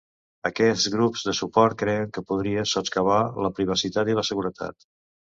Aquest grups de suport creien que podria sots-cavar la privacitat i la seguretat.